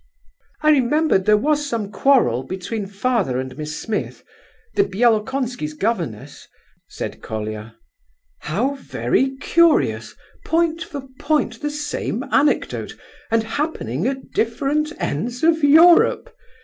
"I remembered there was some quarrel between father and Miss Smith, the Bielokonski's governess," said Colia. "How very curious, point for point the same anecdote, and happening at different ends of Europe!